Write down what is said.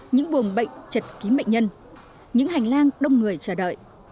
những buồng bệnh chật ký mệnh nhân những hành lang đông người chờ đợi